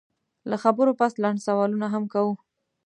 له خبرو پس لنډ سوالونه هم کوو